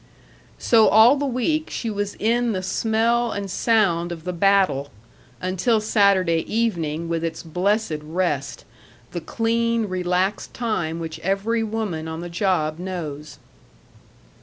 So all the week she was in the smell and sound of the battle, until Saturday evening with its blessed rest the clean, relaxed time which every woman on the job knows.